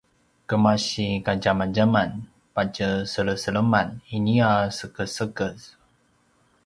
kemasi kadjamadjaman patje seleseleman inia sekesekez